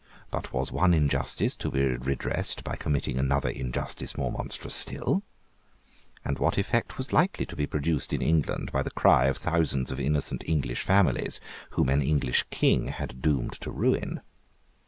But was one injustice to be redressed by committing another injustice more monstrous still? And what effect was likely to be produced in England by the cry of thousands of innocent English families whom an English king had doomed to ruin?